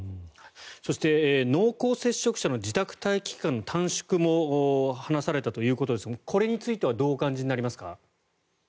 そして濃厚接触者の自宅待機期間の短縮も話されたということですがこれについてはどうお感じになりますか？